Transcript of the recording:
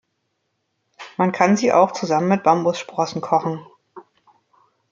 Man kann sie auch zusammen mit Bambussprossen kochen.